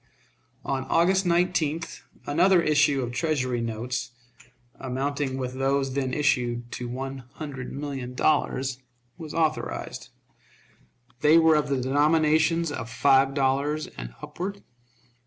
On August 19th another issue of Treasury notes, amounting with those then issued to one hundred million dollars, was authorized. They were of the denominations of five dollars and upward.